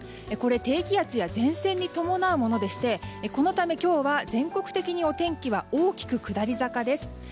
低気圧や前線に伴うものでしてこのため、今日は全国的にお天気は大きく下り坂です。